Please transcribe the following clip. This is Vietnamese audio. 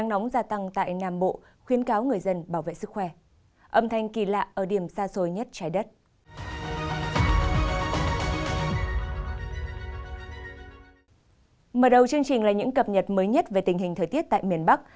mở đầu chương trình là những cập nhật mới nhất về tình hình thời tiết tại miền bắc